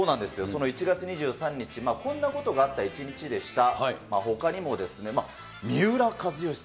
その１月２３日、こんなことがあった一日でした。